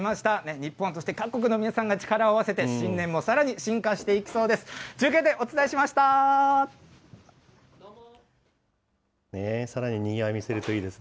日本、そして各国の皆さんが力を合わせて、新年もさらに進化していきそうです。